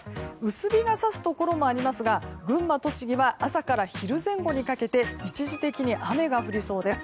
薄日が差すところもありますが群馬、栃木は朝から昼前後にかけて一時的に雨が降りそうです。